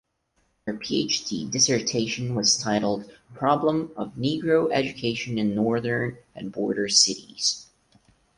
Her PhD dissertation was titled "Problem of Negro Education in Northern and Border Cities".